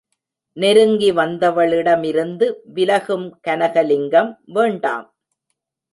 நெருங்கி வந்தவளிட மிருந்து விலகும் கனகலிங்கம், வேண்டாம்!